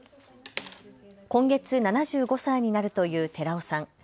今月７５歳になるという寺尾さん。